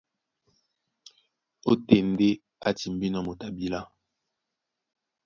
Ótên ndé á timbínɔ́ moto a bilá.